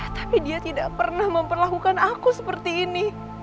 tapi dia tidak pernah memperlakukan aku seperti ini